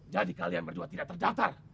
jadi kalian berdua tidak terjaftar